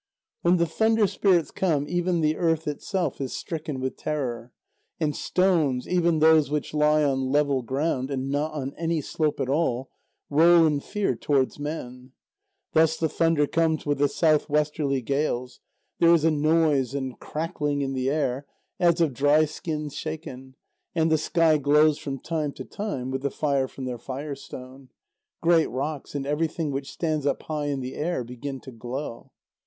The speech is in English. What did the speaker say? When the thunder spirits come, even the earth itself is stricken with terror. And stones, even those which lie on level ground, and not on any slope at all, roll in fear towards men. Thus the thunder comes with the south westerly gales; there is a noise and crackling in the air, as of dry skins shaken, and the sky glows from time to time with the fire from their firestone. Great rocks, and everything which stands up high in the air, begin to glow.